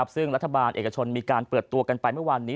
ซึ่งรัฐบาลเอกชนมีการเปิดตัวกันไปเมื่อวานนี้